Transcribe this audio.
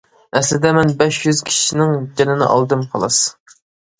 ئەسلىدە مەن بەش يۈز كىشىنىڭ جېنىنى ئالدىم، خالاس.